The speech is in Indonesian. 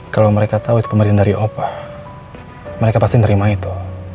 kalo mereka tau itu pemberian dari opa mereka pasti nerima itu